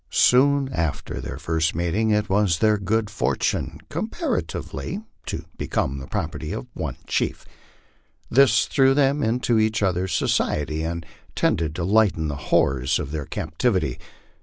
Soon after their first meeting, it was their good fortune, comparatively, to become the property of one chief. This threw them into each other's society, and tended to lighten the horrors of their captivity.